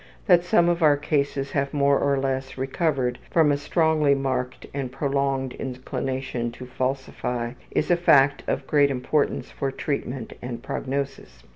That some of our cases have more or less recovered from a strongly marked and prolonged inclination to falsify is a fact of great importance for treatment and prognosis.